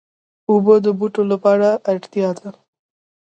اوبه د بوټو لپاره اړتیا ده.